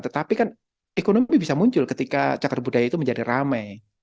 tetapi kan ekonomi bisa muncul ketika cakar budaya itu menjadi ramai